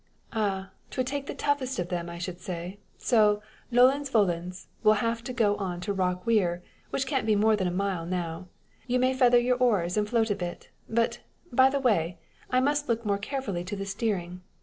Ah! 'twould take the toughest of them, I should say. So nolens volens we'll have to go on to Rock Weir, which can't be more than a mile now. You may feather your oars, and float a bit. But, by the way, I must look more carefully to the steering.